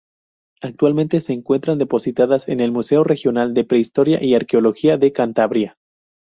Actualmente se encuentran depositadas en el Museo Regional de Prehistoria y Arqueología de Cantabria.